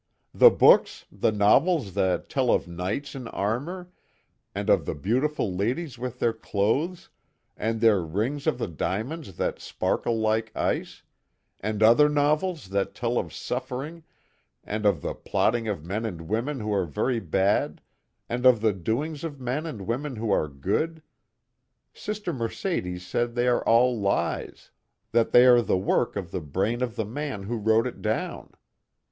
The books the novels that tell of knights in armor, and of the beautiful ladies with their clothes, and their rings of the diamonds that sparkle like ice and other novels that tell of suffering, and of the plotting of men and women who are very bad and of the doings of men and women who are good Sister Mercedes said they are all lies that they are the work of the brain of the man who wrote it down.